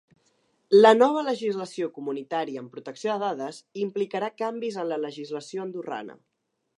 La nova legislació comunitària en protecció de dades implicarà canvis en la legislació andorrana.